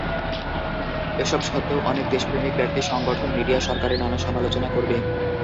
এসব সত্ত্বেও অনেক দেশপ্রেমিক ব্যক্তি, সংগঠন, মিডিয়া সরকারের নানা সমালোচনা করবে।